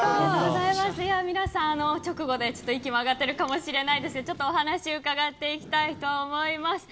皆さん、直後で息も上がってるかもしれないですがお話を伺っていきたいと思います。